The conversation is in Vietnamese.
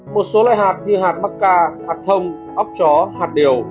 một số loại hạt như hạt mắc ca hạt thông óc chó hạt điều